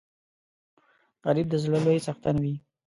غریب د زړه لوی څښتن وي